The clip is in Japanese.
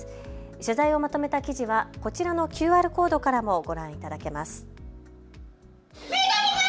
取材をまとめた記事はこちらのＱＲコードからもご覧いただけます。